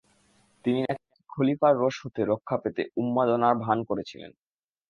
তিনি নাকি খলিফার রোষ হতে রক্ষা পেতে উন্মাদনার ভান করেছিলেন।